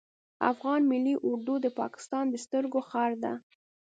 افغان ملی اردو د پاکستان د سترګو خار ده